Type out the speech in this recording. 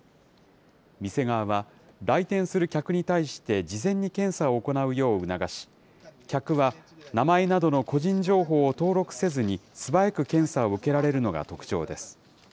店側は、来店する客に対して、事前に検査を行うよう促し、客は名前などの個人情報を登録せずに、素早く検査を受けられるのが特徴です。